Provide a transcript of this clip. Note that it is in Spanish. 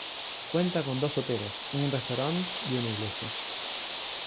Cuenta con dos hoteles, un restaurante, y una iglesia.